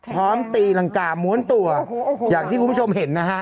ตีรังกาม้วนตัวอย่างที่คุณผู้ชมเห็นนะฮะ